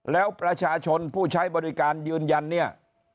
แล้วประชาชนผู้ใช้บริการยืนยันเนี่ย